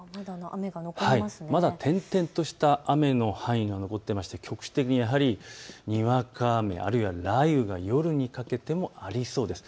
まだ点々とした雨の範囲が残っていまして局地的ににわか雨、あるいは雷雨が夜にかけてもありそうです。